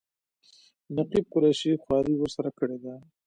نقیب قریشي خواري ورسره کړې ده.